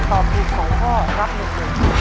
ตอบถูก๒ข้อรับ๑๐๐๐บาท